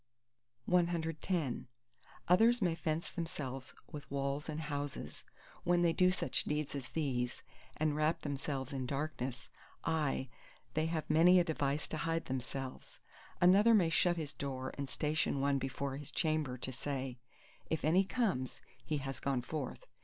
CXI Others may fence themselves with walls and houses, when they do such deeds as these, and wrap themselves in darkness—aye, they have many a device to hide themselves. Another may shut his door and station one before his chamber to say, if any comes, _He has gone forth!